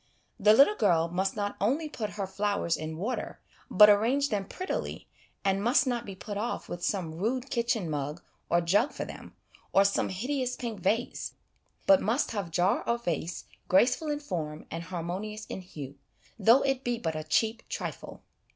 The little girl must not only put her flowers in water, but arrange them prettily, and must not be put off with some rude kitchen mug or jug for them, or some hideous pink vase, but must have jar or vase graceful 'HABIT IS TEN NATURES' 131 in form and harmonious in hue, though it be but a cheap trifle.